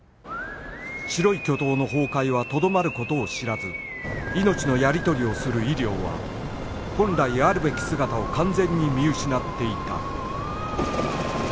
白い巨塔の崩壊はとどまる事を知らず命のやり取りをする医療は本来あるべき姿を完全に見失っていた